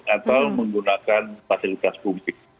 atau menggunakan fasilitas publik